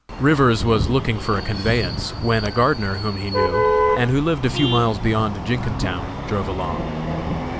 Rivers was looking around for a conveyance, when a gardener whom he knew, and who lived a few miles beyond Jenkintown, drove along.